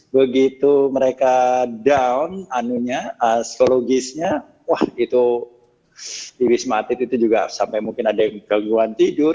begitu mereka down psikologisnya wah itu diwismatit itu juga sampai mungkin ada gangguan tidur